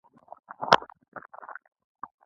مور یې پاچا ته د قیمتي ډبرو ډالۍ یووړه.